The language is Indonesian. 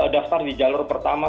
daftar di jalur pertama